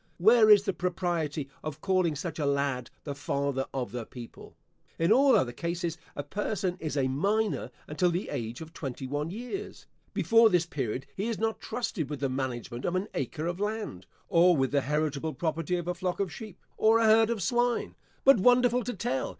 Where is the propriety of calling such a lad the father of the people? In all other cases, a person is a minor until the age of twenty one years. Before this period, he is not trusted with the management of an acre of land, or with the heritable property of a flock of sheep, or an herd of swine; but, wonderful to tell!